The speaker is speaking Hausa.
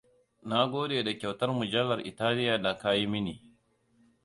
Na gode da kyautar mujallar Italiya da ka yi mini!